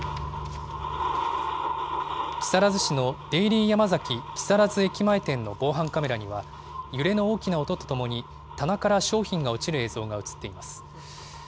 木更津市のデイリーヤマザキ木更津駅前店の防犯カメラには、揺れの大きな音とともに棚から商品が落ちる映像が写っています。